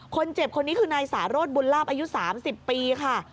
คนเจ็บคนนี้คือนายสารสบุญลาบอายุ๓๐ปีค่ะ